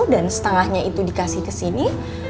dan setengahnya itu dikasih kesini